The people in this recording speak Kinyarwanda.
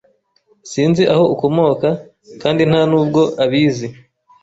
Sinzi aho ukomoka, kandi nta nubwo abizi.